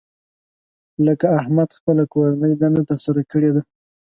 لکه احمد خپله کورنۍ دنده تر سره کړې ده.